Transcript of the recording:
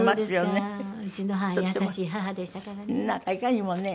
うちの母優しい母でしたからね。